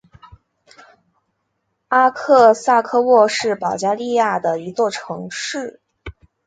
阿克萨科沃是保加利亚的一座城市。